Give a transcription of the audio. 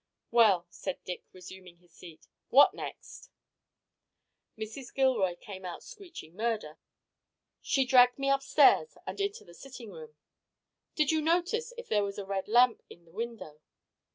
"Well," said Dick, resuming his seat, "what next?" "Mrs. Gilroy came out screeching 'Murder!' She dragged me upstairs and into the sitting room " "Did you notice if there was a red lamp in the window?"